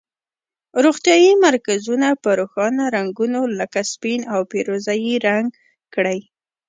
روغتیایي مرکزونه په روښانه رنګونو لکه سپین او پیروزه یي رنګ کړئ.